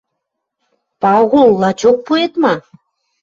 — Пагул... лачок пуэт ма?